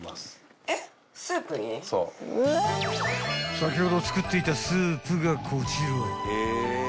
［先ほど作っていたスープがこちら］